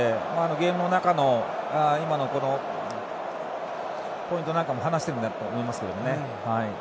ゲームの中の今のポイントなんかも話しているんだと思いますけどね。